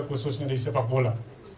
khususnya di sepak bola